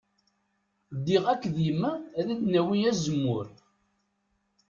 Ddiɣ akked yemma ad d-nawi azemmur.